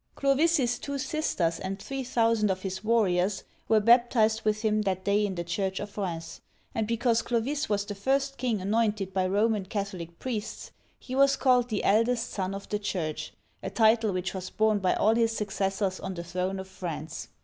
Clovis's two sisters and three thousand of his warriors were baptized with him that day in the church of Rheims, and because Clovis was the first king anointed by Roman Catholic priests, he was called the " Eldest Son of the Church, a title which was borne by all his successors on the throne of France.